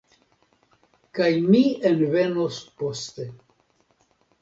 Kaj mi envenos poste.